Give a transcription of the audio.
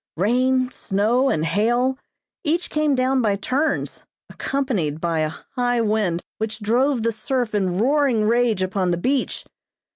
Rain, snow and hail, each came down by turns, accompanied by a high wind which drove the surf in roaring rage upon the beach.